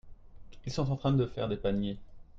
Ils sont en train de faire des paniers.